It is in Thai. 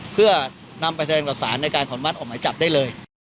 เพื่อนำไปแสดงกับสารในการขออนุมัติออกหมายจับได้เลย